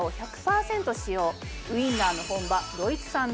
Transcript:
ウインナーの本場。